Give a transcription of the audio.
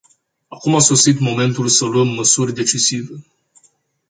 Acum a sosit momentul să luăm măsuri decisive.